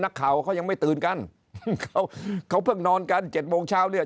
นักข่าวเขายังไม่ตื่นกันเขาเพิ่งนอนกัน๗โมงเช้าเลย